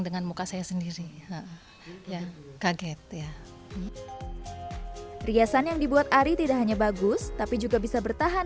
dengan muka saya sendiri ya kaget ya riasan yang dibuat ari tidak hanya bagus tapi juga bisa bertahan